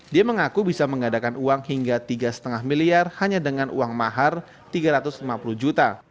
dia mengaku bisa mengadakan uang hingga tiga lima miliar hanya dengan uang mahar rp tiga ratus lima puluh juta